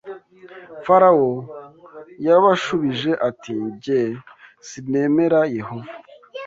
Farawo yarabashubije ati jye sinemera Yehova